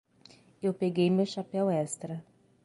Eu peguei meu chapéu extra.